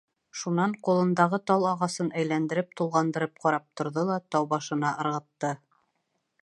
Шунан ҡулындағы тал ағасын әйләндереп-тулғандырып ҡарап торҙо ла тау башына ырғытты.